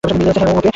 হ্যাঁ ওহ, ওকে।